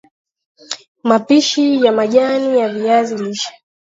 Mapishi ya majani ya viazi lishe